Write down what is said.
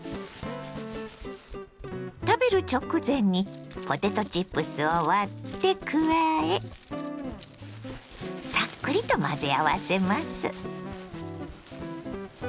食べる直前にポテトチップスを割って加えサックリと混ぜ合わせます。